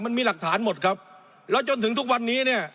มันมีหลักฐานหมดครับแล้วจนถึงทุกวันนี้เนี่ย